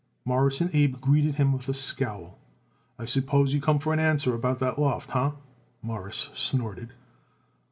Morris and Abe greeted him with a scowl. "I suppose you come for an answer about that loft, huh?" Morris snorted.